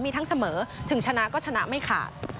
มีทั้งเสมอถึงชนะก็ชนะไม่ขาด